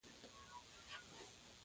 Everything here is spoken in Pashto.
ترکستان پر لور حرکت وکړ.